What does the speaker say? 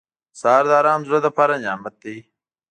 سهار د ارام زړه لپاره نعمت دی.